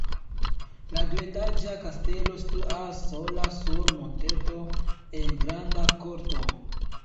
La duetaĝa kastelo situas sola sur monteto en granda korto.